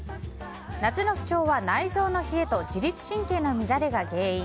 夏の不調は、内臓の冷えと自律神経の乱れが原因。